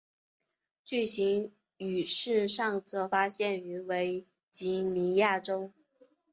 巨型羽翅鲎则发现于维吉尼亚州。